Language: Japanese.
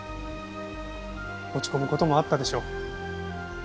落ち込む事もあったでしょう。